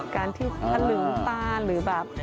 การที่ทะลึงตาหรือแบบ